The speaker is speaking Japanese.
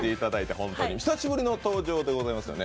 久しぶりの登場でございますよね？